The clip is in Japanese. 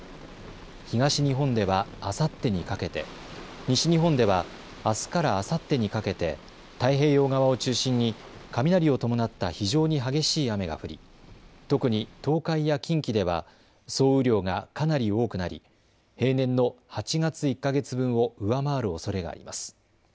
東日本ではあさってにかけて、西日本ではあすからあさってにかけて太平洋側を中心に雷を伴った非常に激しい雨が降り、特に東海や近畿では総雨量がかなり多くなり、平年の８月１か月分を上回るおそれがあります。